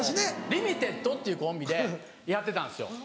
リミテッドっていうコンビでやってたんですよ